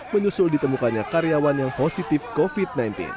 menyusul ditemukannya karyawan yang positif covid sembilan belas